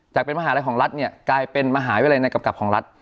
จากเป็นมหาอะไรของรัฐเนี่ยกลายเป็นมหาวิรัยในกลับของรัฐ